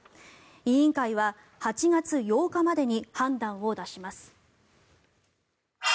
委員会は８月８日までに判断を出します。